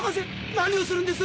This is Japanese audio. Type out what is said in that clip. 何をするんです